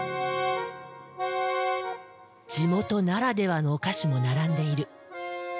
地元ならではのお菓子も並んでいる。